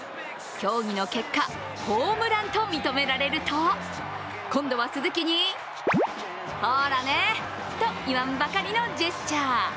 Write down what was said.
協議の結果、ホームランと認められると今度は鈴木に、ほらね！と言わんばかりのジェスチャー。